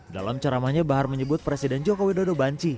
dalam ceramahnya bahar menyebut presiden jokowi dodo banci